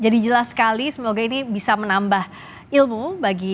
jadi jelas sekali semoga ini bisa menambah ilmu bagi kita